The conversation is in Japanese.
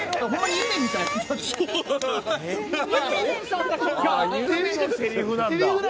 「夢でのせりふなんだ」